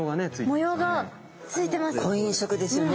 模様がついてます。